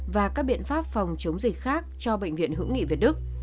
và các biện pháp phòng chống dịch khác cho bệnh viện hữu nghị việt đức